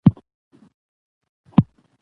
د موسېقۍ محفل کې د روزګان د خلکو